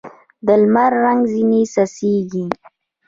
د لمر رنګ ځیني څڅېږي